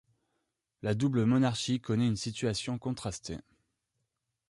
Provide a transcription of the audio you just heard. La double monarchie connaît une situation contrastée.